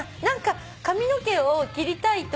髪の毛を切りたいとき。